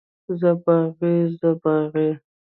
زه باغي، زه باغي.